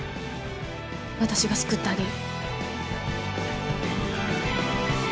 私が救ってあげる。